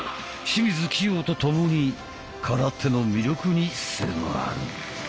清水希容と共に空手の魅力に迫る。